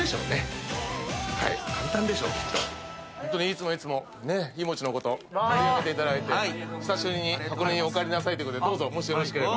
いつもいつも湯もちのこと取り上げていただいて久しぶりに箱根におかえりなさいということでどうぞもしよろしければ。